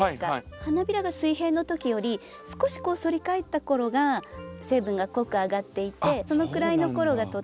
花びらが水平の時より少し反り返った頃が成分が濃くあがっていてそのくらいの頃がとっても摘みどき。